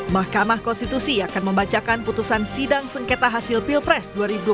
mahkamah konstitusi akan membacakan putusan sidang sengketa hasil pilpres dua ribu dua puluh